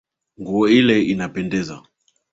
Nguo ile inapendeza.